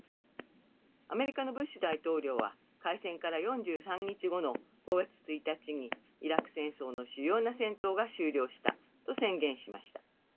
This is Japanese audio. アメリカのブッシュ大統領は開戦から４３日後の５月１日にイラク戦争の主要な戦闘が終了したと宣言しました。